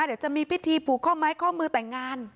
เดี๋ยวจะมีพิธีผูกข้อไม้ข้อมือแต่งงาน